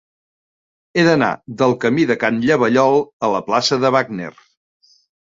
He d'anar del camí de Can Llavallol a la plaça de Wagner.